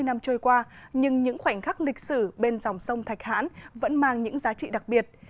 bảy mươi năm trôi qua nhưng những khoảnh khắc lịch sử bên dòng sông thạch hãn vẫn mang những giá trị đặc biệt